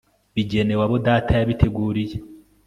bigenewe abo Data yabiteguriye